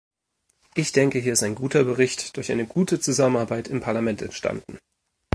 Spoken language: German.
Ich denke, hier ist ein guter Bericht durch eine gute Zusammenarbeit im Parlament entstanden.